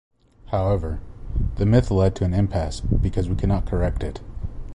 However, the myth led to an impasse because we cannot correct it.